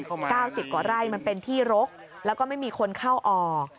เก้าสิบกว่าไร่มันเป็นที่รกแล้วก็ไม่มีคนเข้าออก